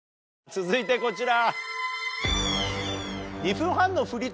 続いてこちら。